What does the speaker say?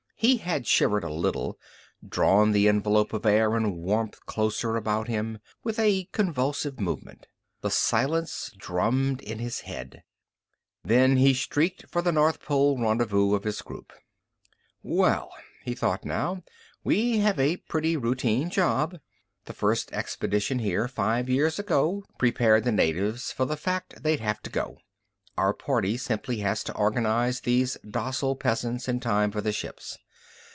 He had shivered a little, drawn the envelope of air and warmth closer about him, with a convulsive movement. The silence drummed in his head. Then he streaked for the north pole rendezvous of his group. Well, he thought now, _we have a pretty routine job. The first expedition here, five years ago, prepared the natives for the fact they'd have to go. Our party simply has to organize these docile peasants in time for the ships.